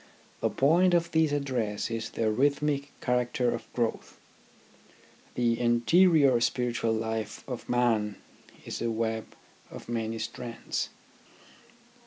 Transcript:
The point of this address is the rhythmic character of growth. The interior spiritual life of man is a web of many strands.